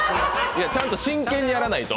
ちゃんと真剣にやらないと。